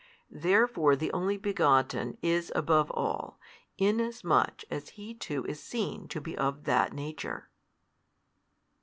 Therefore the Only Begotten is above all, inasmuch as He too is seen to be of that Nature.